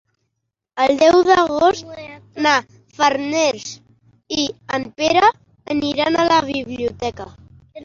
El deu d'agost na Farners i en Pere aniran a la biblioteca.